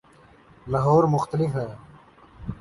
لاہور مختلف ہے۔